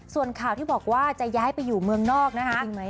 ส่วนข่าวที่บอกว่าจะย้ายไปอยู่เมืองนอกนะคะ